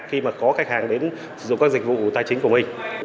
khi mà có khách hàng đến sử dụng các dịch vụ hữu tài chính của mình